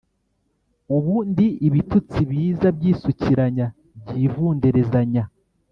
ubu ndi ibitutsi biza byisukiranya byivunderezanya